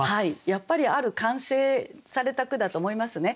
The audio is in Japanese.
やっぱりある完成された句だと思いますね。